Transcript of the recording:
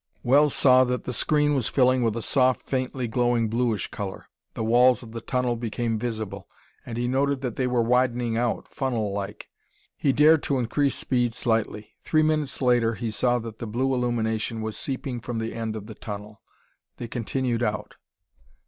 Wells saw that the screen was filling with a soft, faintly glowing bluish color. The walls of the tunnel became visible, and he noted that they were widening out, funnel like. He dared to increase speed slightly. Three minutes later he saw that the blue illumination was seeping from the end of the tunnel. They continued out.